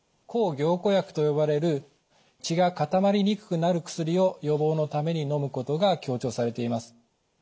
抗凝固薬と呼ばれる血が固まりにくくなる薬を予防のためにのむことが強調されています。